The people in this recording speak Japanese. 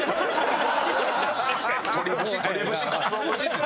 「」「鶏節」「鶏節」「カツオ節」って。